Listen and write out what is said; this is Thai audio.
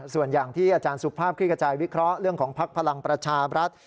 ส่วนอย่างที่อาจารย์สุภาพคลิกกระจายวิเคราะห์เรื่องของภักดิ์พลังประชาบรัฐ